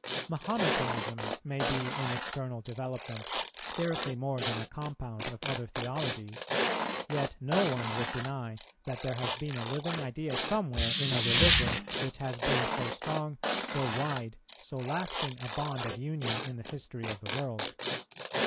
Mahometanism may be in external developments scarcely more than a compound of other theologies, yet no one would deny that there has been a living idea somewhere in a religion, which has been so strong, so wide, so lasting a bond of union in the history of the world.